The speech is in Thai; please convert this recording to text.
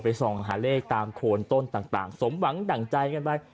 ส่องหาเลขตามโคนต้นต่างสมหวังดั่งใจกันไป